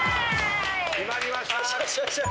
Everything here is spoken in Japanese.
決まりました。